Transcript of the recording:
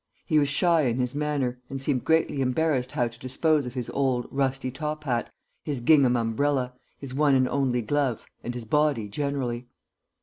He was shy in his manner and seemed greatly embarrassed how to dispose of his old, rusty top hat, his gingham umbrella, his one and only glove and his body generally.